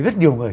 rất nhiều người